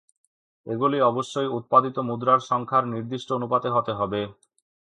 এগুলি অবশ্যই উৎপাদিত মুদ্রার সংখ্যার নির্দিষ্ট অনুপাতে হতে হবে।